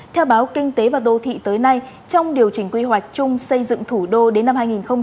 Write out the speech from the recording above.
theo báo kinh tế và đô thị tới nay trong điều chỉnh quy hoạch chung xây dựng thủ đô đến năm hai nghìn ba mươi